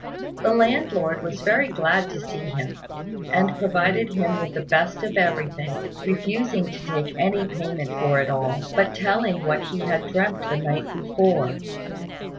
The landlord was very glad to see him, and provided him with the best of everything, refusing to take any payment for it all, but telling what he had dreamt the night before.